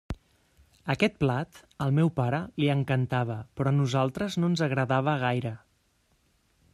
Aquest plat, al meu pare, li encantava, però a nosaltres no ens agradava gaire.